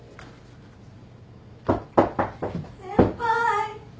・・・先輩！